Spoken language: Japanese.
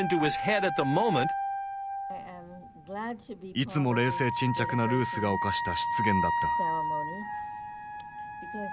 いつも冷静沈着なルースが犯した失言だった。